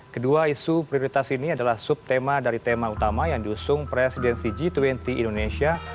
kedua isu prioritas ini adalah subtema dari tema utama yang diusung presidensi g dua puluh indonesia